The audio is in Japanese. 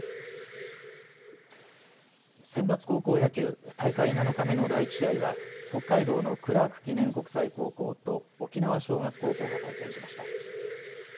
センバツ高校野球、大会７日目の第１試合は北海道のクラーク記念国際高校と沖縄尚学高校が対戦しました。